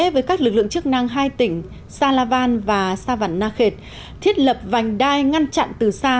với các lực lượng chức năng hai tỉnh salavan và savannakhet thiết lập vành đai ngăn chặn từ xa